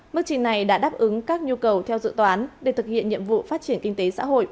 mức trình này đã đáp ứng các nhu cầu theo dự toán để thực hiện nhiệm vụ phát triển kinh tế xã hội